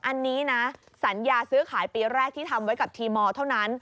อันนี้นะสัญญาซื้อขายปีแรกที่ทำไว้กับทีมอลเท่านั้น